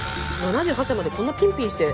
７８歳までこんなピンピンして。